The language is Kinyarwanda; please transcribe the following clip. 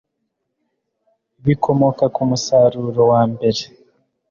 bikomoka ku musaruro wa mbere